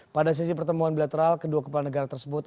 pada sesi pertemuan bilateral kedua kepala negara tersebut